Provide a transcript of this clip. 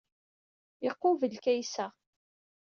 Iqubel Kaysa.